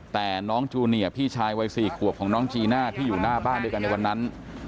แต่น้องจูเนียพี่ชายวัย๔ขวบของน้องจีน่าที่อยู่หน้าบ้านด้วยกันในวันนั้น